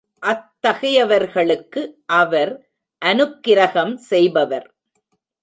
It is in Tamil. அத்தகையவர்களுக்கு அவர் அநுக்கிரகம் செய்பவர்.